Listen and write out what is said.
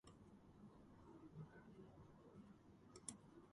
მრავალი ტერიგენული ქანი წარმოადგენს ძვირფას სასარგებლო წიაღისეულს.